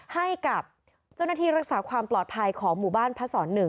ให้กับเจ้าหน้าที่รักษาความปลอดภัยของหมู่บ้านพระศร๑